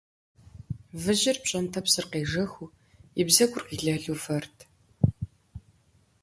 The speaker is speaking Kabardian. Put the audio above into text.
Выжьыр, пщӀэнтӀэпсыр къежэхыу, и бзэгур къилэлу вэрт.